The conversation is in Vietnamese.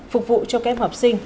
phục vụ cho các em học sinh